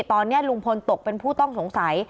ตอนนี้ลุงพลตกเป็นผู้ต้องสงสัย